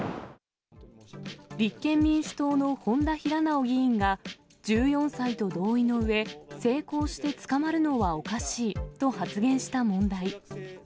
立憲民主党の本多平直議員が、１４歳と同意のうえ、性交して捕まるのはおかしいと発言した問題。